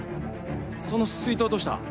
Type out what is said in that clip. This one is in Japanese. その水筒どうした？